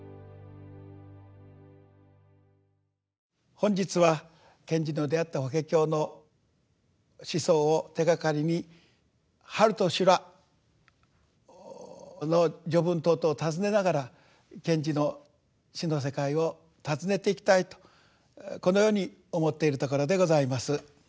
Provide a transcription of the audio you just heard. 本日は賢治の出会った「法華経」の思想を手がかりに「春と修羅」の序文等々を訪ねながら賢治の詩の世界を訪ねていきたいとこのように思っているところでございます。